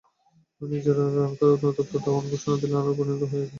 নিজের রানখরায় অনুতপ্ত ধাওয়ান, ঘোষণা দিলেন আরও পরিণত হয়ে ফিরে আসার।